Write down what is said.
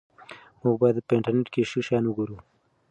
موږ باید په انټرنیټ کې ښه شیان وګورو.